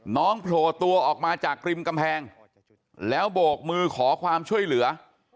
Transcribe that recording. โผล่ตัวออกมาจากริมกำแพงแล้วโบกมือขอความช่วยเหลือ